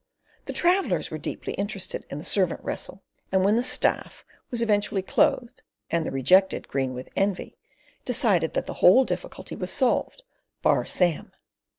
The travellers were deeply interested in the servant wrestle, and when the Staff was eventually clothed, and the rejected green with envy, decided that the "whole difficulty was solved, bar Sam."